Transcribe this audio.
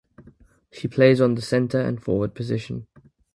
She plays on the Centre and Forward position.